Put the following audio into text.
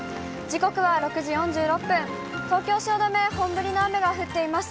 時刻は６時４６分、東京・汐留、本降りの雨が降っています。